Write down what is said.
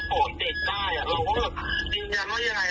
แล้วครูเข้าขาดเขาก็โทรมาซื้อช่วงที่เราไปทำ